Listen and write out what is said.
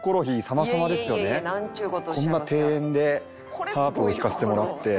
こんな庭園でハープを弾かせてもらって。